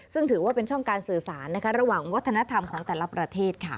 ซึ่งถือว่าเป็นช่องการสื่อสารระหว่างวัฒนธรรมของแต่ละประเทศ